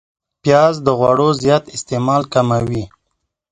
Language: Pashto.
پیاز د غوړو زیات استعمال کموي